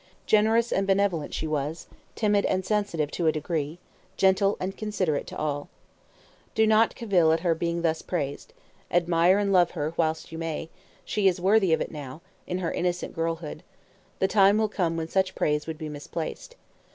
Generous and benevolent she was, timid and sensitive to a degree, gentle, and considerate to all. Do not cavil at her being thus praised admire and love her whilst you may, she is worthy of it now, in her innocent girlhood; the time will come when such praise would be misplaced.